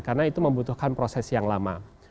karena itu membutuhkan proses yang lama